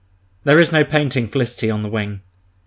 There is no painting Felicity on the wing!